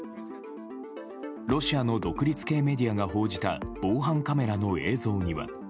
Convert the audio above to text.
ロシアの独立系メディアが報じた防犯カメラの映像には。